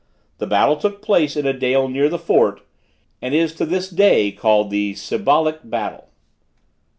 The battle took place in a dale near the fort, and is to this day called the "Sibolic battle."